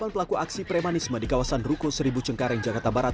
delapan pelaku aksi premanisme di kawasan ruko seribu cengkareng jakarta barat